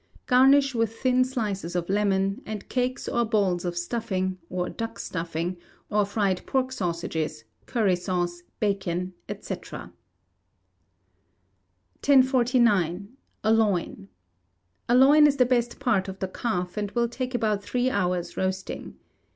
Garnish with thin slices of lemon, and cakes or balls of stuffing, or duck stuffing, or fried pork sausages, curry sauce, bacon, &c. 1049. A Loin. A loin is the best part of the calf, and will take about three hours roasting.